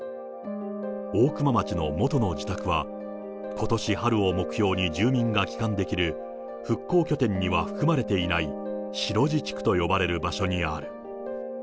大熊町の元の自宅は、ことし春を目標に住民が帰還できる復興拠点には含まれていない、白地地区と呼ばれる場所にある。